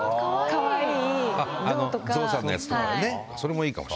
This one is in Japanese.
かわいい！